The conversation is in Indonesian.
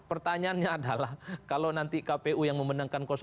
pertanyaannya adalah kalau nanti kpu yang memenangkan dua